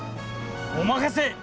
お任せ。